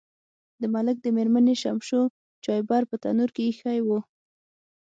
د ملک د میرمنې شمشو چایبر په تنور کې ایښی و.